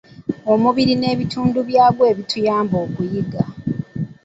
Omubiri n'ebitundu byagwo ebituyamba okuyiga.